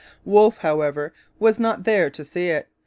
Wolfe, however, was not there to see it.